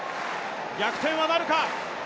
逆転はなるか。